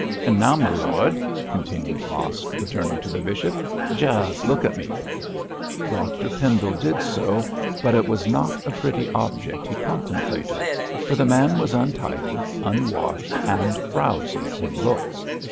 'An' now, m' lord,' continued Mosk, returning to the bishop, 'jus' look at me.' Dr Pendle did so, but it was not a pretty object he contemplated, for the man was untidy, unwashed and frowsy in looks.